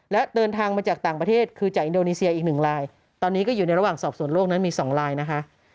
และเดินทางมาจากต่างประเทศคือจากอินโดนีเซียอีกหนึ่งลายตอนนี้ก็อยู่ในระหว่างสอบสวนโลกนั้นมี๒ลายนะคะ